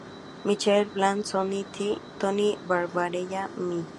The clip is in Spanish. Michael Bland, Sonny T., Tommy Barbarella, Mr.